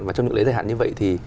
và trong những lễ giải hạn như vậy thì